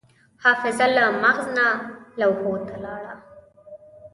حافظه له مغز نه لوحو ته لاړه.